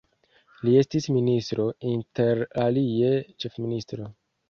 Li estis ministro, interalie ĉefministro.